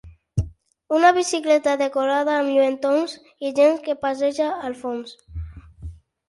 una bicicleta decorada amb lluentons i gent que passeja al fons